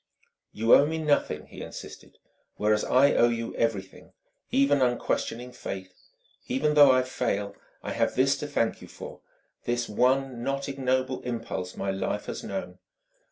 "You owe me nothing," he insisted; "whereas I owe you everything, even unquestioning faith. Even though I fail, I have this to thank you for this one not ignoble impulse my life has known."